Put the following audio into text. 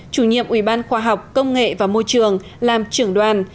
chủ nhiệm ủy ban khoa học công nghệ và môi trường làm trưởng đoàn